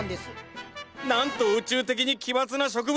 なんと宇宙的に奇抜な植物！